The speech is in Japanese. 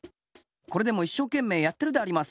これでもいっしょうけんめいやってるであります。